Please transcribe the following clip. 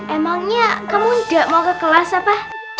emangnya kamu nggak mau ke kelas apa